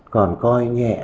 còn coi nhẹ